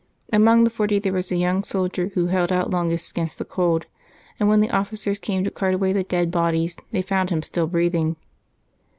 Among the Forty there was a young soldier who held out longest against the cold, and when the offi cers came to cart away the dead bodies they found him still breathing.